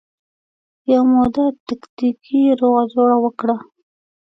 یوه موده تکتیکي روغه جوړه وکړه